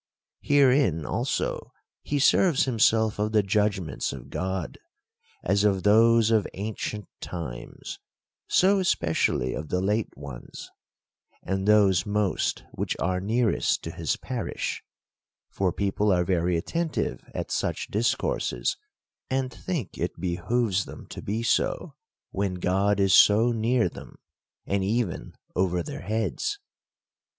Herein also he serves himself of the judgments of God : as of those of ancient times, so especially of the late ones ; and those most, which are nearest to his parish ; for people are very attentive at such discourses, and think it behoves them to be so, when God is so near them, and even over their heads.